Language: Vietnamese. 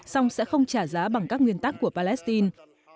song sẽ không trả giá bằng các nguyên tắc của palestine